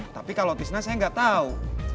tapi kalau tisna saya nggak tau